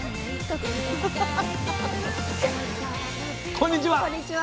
こんにちは。